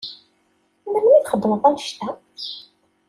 Melmi i txedmeḍ annect-a?